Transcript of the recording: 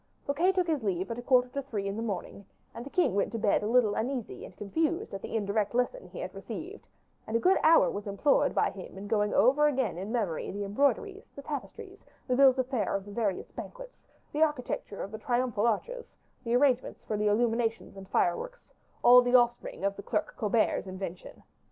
Fouquet took his leave at a quarter to three in the morning, and the king went to bed a little uneasy and confused at the indirect lesson he had received; and a good hour was employed by him in going over again in memory the embroideries, the tapestries, the bills of fare of the various banquets, the architecture of the triumphal arches, the arrangements for the illuminations and fireworks, all the offspring of the "Clerk Colbert's" invention.